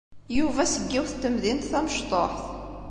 Yuba seg yiwet n temdint tamecṭuḥt.